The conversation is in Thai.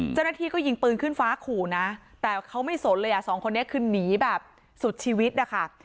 เจ้าหน้าที่ก็ยิงปืนขึ้นฟ้าขู่นะแต่เขาไม่สนเลยอ่ะสองคนนี้คือหนีแบบสุดชีวิตนะคะ